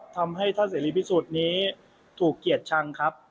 ทำให้ท่านเสรีพิสุทธิ์นี้ถูกเกียรติชังครับ